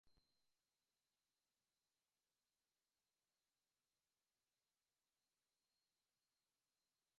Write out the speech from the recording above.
Монголчуудад үр дүн нь хойч үедээ очих сургаалын дагуу зүтгэх тэвчээр байдаггүй.